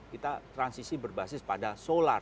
kita transisi berbasis pada solar